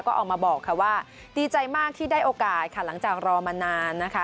ก็ออกมาบอกค่ะว่าดีใจมากที่ได้โอกาสค่ะหลังจากรอมานานนะคะ